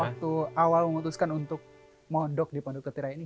waktu awal memutuskan untuk mohon dok di pondok ketirai ini